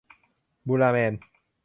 บูราแมน